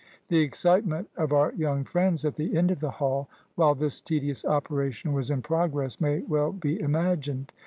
The excitement of our young friends at the end of the Hall while this tedious operation was in progress may well be imagined.